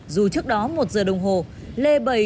dù trước đó một giờ đồng hồ lê bày chật kín ra tủ bên ngoài